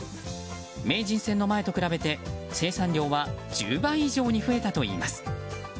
名人戦の前と比べて、生産量は１０倍以上に増えたといいます。